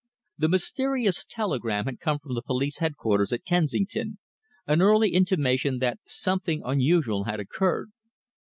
The mysterious telegram had come from the police headquarters at Kensington, an early intimation that something unusual had occurred.